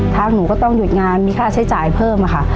หนูก็ต้องหยุดงานมีค่าใช้จ่ายเพิ่มค่ะ